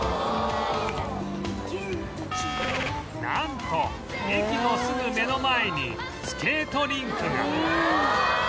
なんと駅のすぐ目の前にスケートリンクが